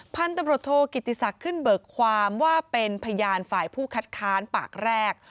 พันธุ์ตำรวจโทกิติศักดิ์ขึ้นเบิกความว่าเป็นพยานฝ่ายผู้คัดค้านปากแรก